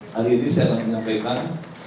hari ini saya akan menyampaikan